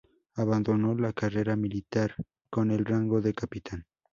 Abandonó la carrera militar con el rango de Capitán.